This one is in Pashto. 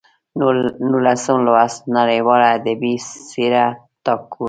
نولسم لوست: نړیواله ادبي څېره ټاګور